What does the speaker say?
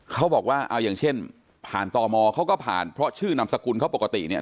เขาบอกว่าเอาอย่างเช่นผ่านตมเขาก็ผ่านเพราะชื่อนามสกุลเขาปกติเนี่ย